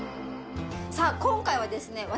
さぁ今回はですね